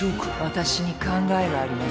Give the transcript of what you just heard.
私に考えがあります。